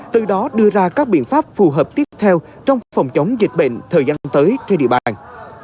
từ đó đưa ra các biện pháp phù hợp tiếp theo trong phòng chống dịch bệnh thời gian tới trên địa bàn